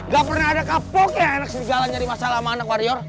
gak pernah ada kapok yang enak segala nyari masalah sama anak warrior